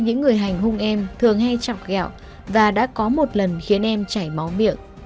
những người hành hung em thường hay chọc gạo và đã có một lần khiến em chảy máu miệng